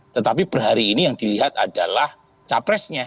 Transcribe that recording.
tetapi perhari ini yang dilihat adalah capresnya